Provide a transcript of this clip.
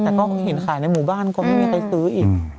แต่ก็เห็นขายในหมู่บ้านก็ไม่มีใครซื้ออีก